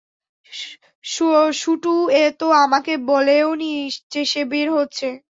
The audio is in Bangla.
শুটু তো আমাকে বলেওনি যে সে বের হচ্ছে।